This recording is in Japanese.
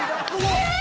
・えっ！